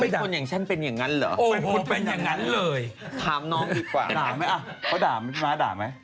มีคนอย่างฉันเป็นอย่างนั้นเหรอโอ้โหเป็นอย่างนั้นเลยถามน้องดีกว่าอ่ะเขาด่าน้าด่าไหม